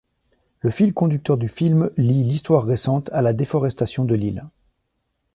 Le fil conducteur du film lie l'histoire récente à la déforestation de l'île.